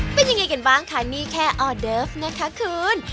เป็นยังไงกันบ้างคะนี่แค่ออเดิฟนะคะคุณ